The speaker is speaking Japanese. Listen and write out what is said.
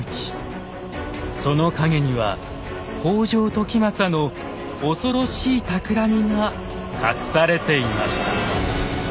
その陰には北条時政の恐ろしいたくらみが隠されていました。